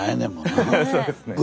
そうですね。